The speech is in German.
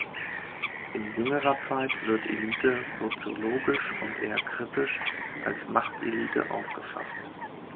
In jüngerer Zeit wird „Elite“ soziologisch und eher kritisch als "Machtelite" aufgefasst.